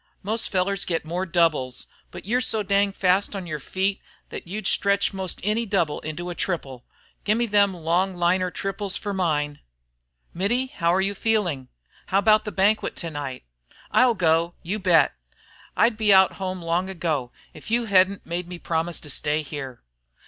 Most fellars git more doubles. But you're so dinged fast on yer feet thet you 'd stretch most any double into a triple. Gimme them long liner triples fer mine!" "Mittie, how're you feeling? How about the banquet to night?" "I'll go, you bet. I'd be out home long ago, if you hedn't made me promise to stay here."